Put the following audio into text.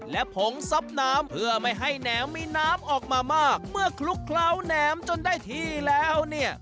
และผงซับน้ำเพื่อไม่ให้แหนมมีน้ำออกมามากเมื่อคลุกเคล้าแหนมจนได้ที่แล้วเนี่ย